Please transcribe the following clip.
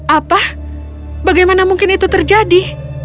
apa bagaimana mungkin itu terjadi